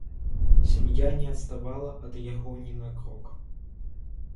Сям'я не адставала ад яго ні на крок.